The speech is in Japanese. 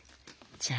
じゃあ。